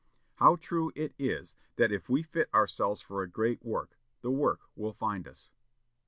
How true it is that if we fit ourselves for a great work, the work will find us.